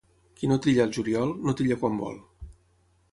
Qui no trilla al juliol, no trilla quan vol.